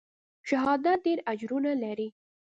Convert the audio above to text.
شهادت ډېر اجرونه لري.